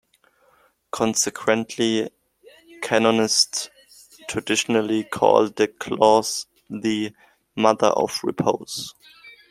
Consequently, canonists traditionally called the clause the "mother of repose".